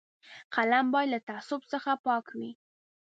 فلم باید له تعصب څخه پاک وي